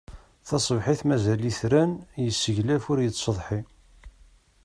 Taṣebḥit mazal itran, yesseglaf ur yettsetḥi.